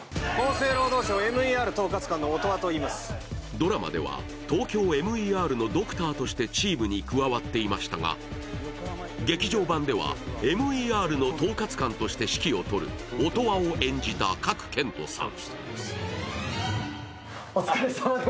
ドラマではＴＯＫＹＯＭＥＲのドクターとしてチームに加わっていましたが劇場版ではＭＥＲの統括官として指揮を取る音羽を演じた賀来賢人さん。